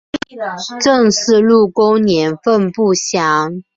郑氏入宫年份不详。